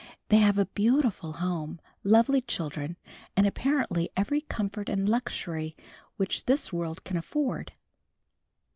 They have a beautiful home, lovely children and apparently every comfort and luxury which this world can afford.